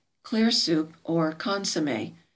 =Clear Soup, or Consommé.